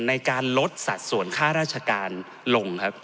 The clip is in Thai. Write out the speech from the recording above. ในการลดสัดส่วนค่าราชการลงครับ